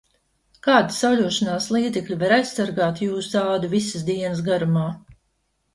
Kādi sauļošanās līdzekļi var aizsargāt jūsu ādu visas dienas garumā?